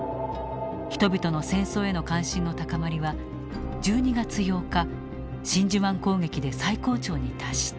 人々の戦争への関心の高まりは１２月８日真珠湾攻撃で最高潮に達した。